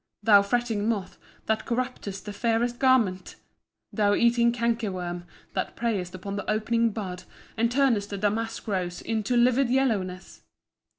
Thou fretting moth, that corruptest the fairest garment! Thou eating canker worm, that preyest upon the opening bud, and turnest the damask rose into livid yellowness!